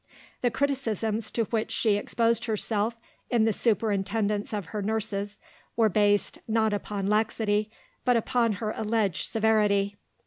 The criticisms to which she exposed herself in the superintendence of her nurses were based, not upon laxity, but upon her alleged severity.